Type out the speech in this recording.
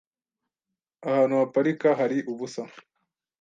Ahantu haparika hari ubusa .